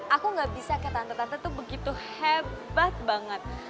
aku gak bisa ke tante tante tuh begitu hebat banget